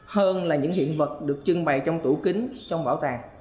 hơn là những hiện vật được trưng bày trong tủ kính trong bảo tàng